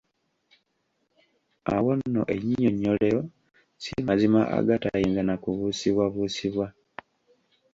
Awo nno ennyinyonnyolero si mazima agatayinza na kubuusibwabuusibwa.